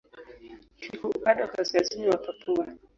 Kiko upande wa kaskazini wa Papua.